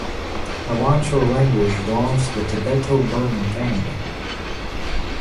The Wancho language belongs to the Tibeto-Burman family.